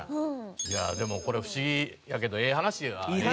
いやでもこれ不思議やけどええ話はええ話やね。